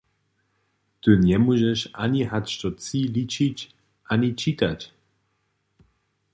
Ty njemóžeš ani hač do tři ličić ani čitać.